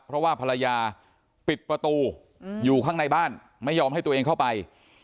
เพราะว่าภรรยาปิดประตูอยู่ข้างในบ้านไม่ยอมให้ตัวเองเข้าไป